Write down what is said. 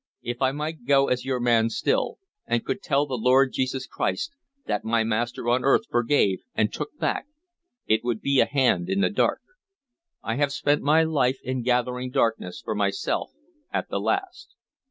If I might go as your man still, and could tell the Lord Jesus Christ that my master on earth forgave, and took back, it would be a hand in the dark. I have spent my life in gathering darkness for myself at the last."